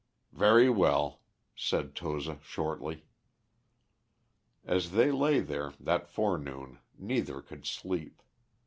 "Very well," said Toza shortly. As they lay there that forenoon neither could sleep.